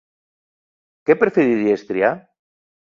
Què preferiries triar?